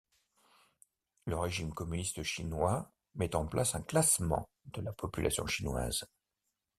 Le régime communiste chinois met en place un classement de la population chinoise.